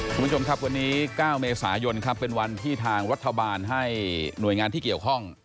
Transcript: คุณผู้ชมครับวันนี้๙เมษายนครับเป็นวันที่ทางรัฐบาลให้หน่วยงานที่เกี่ยวข้อง